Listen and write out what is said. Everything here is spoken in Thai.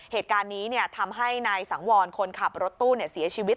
เหตุการณ์นี้เนี่ยทำให้ในสังวรคนขับรถตู้เนี่ยเสียชีวิต